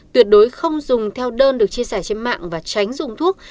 tuyệt đối không dùng theo đơn được chia sẻ trên mạng và tránh dùng thuốc